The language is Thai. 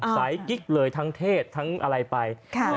กิ๊กเลยทั้งเทศทั้งอะไรไป